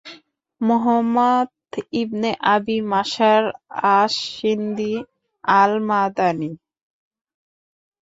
মুহাম্মদ ইবনে আবি মাশার আস-সিন্দি আল-মাদানি